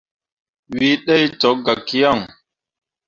Wǝ ɗee cok gah ki yan.